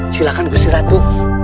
silahkan gusti ratu